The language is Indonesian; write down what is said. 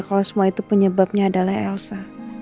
kalau semua itu penyebab nya adalah elsa